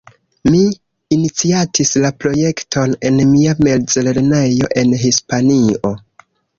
Mi iniciatis la projekton en mia mezlernejo en Hispanio.